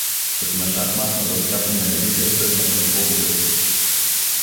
Като на шахматна дъска се наредиха и тръгнаха взводовете.